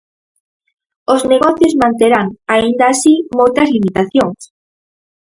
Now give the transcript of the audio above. Os negocios manterán, aínda así, moitas limitacións.